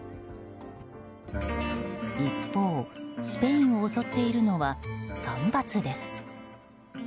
一方、スペインを襲っているのは干ばつです。